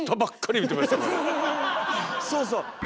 そうそう！